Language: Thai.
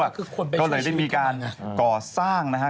ก็เลยได้มีการก่อสร้างนะฮะ